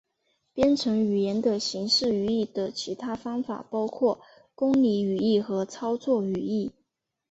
编程语言的形式语义的其他方法包括公理语义和操作语义。